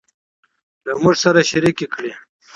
له موږ سره شريکې کړي